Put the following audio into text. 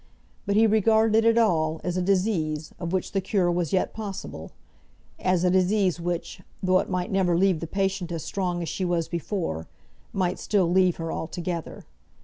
But he regarded it all as a disease, of which the cure was yet possible, as a disease which, though it might never leave the patient as strong as she was before, might still leave her altogether.